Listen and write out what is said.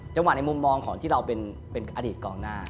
ในมุมมองของที่เราเป็นอดีตกองหน้า